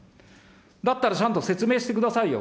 だったらちゃんと説明してくださいよ。